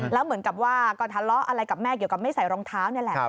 แล้วเหมือนกับว่าก็ทะเลาะอะไรกับแม่เกี่ยวกับไม่ใส่รองเท้านี่แหละ